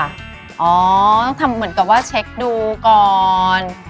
อ๋อต้องทำเหมือนกับว่าเช็คดูก่อน